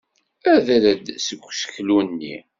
Ader-d seg useklu-nni!